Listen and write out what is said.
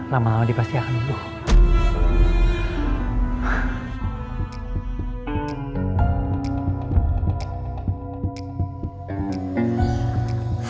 lama lama dia pasti akan luluh